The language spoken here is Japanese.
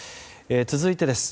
続いてです。